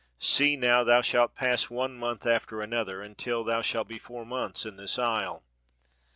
See now, thou shalt pass one month after another, until thou shalt be four months in this isle.